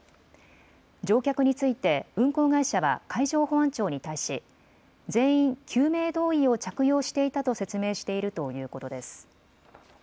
乗客について運航会社は海上保安庁に対し全員、救命胴衣を着用していたと説明しているということです。